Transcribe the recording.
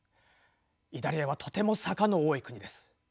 イタリアはとても坂の多い国です。